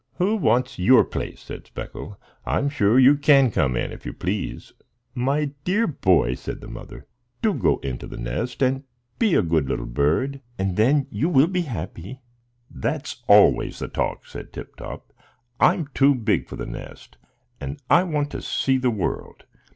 "Who wants your place?" said Speckle. "I'm sure you can come in, if you please." "My dear boy," said the mother, "do go into the nest and be a good little bird, and then you will be happy." "That's always the talk," said Tip Top. "I'm too big for the nest, and I want to see the world.